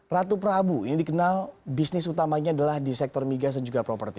ratu prabu ini dikenal bisnis utamanya adalah di sektor migas dan juga properti